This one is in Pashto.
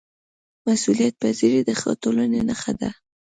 مسؤلیتپذیري د ښه ټولنې نښه ده